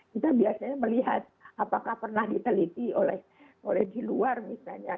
kita biasanya melihat apakah pernah diteliti oleh di luar misalnya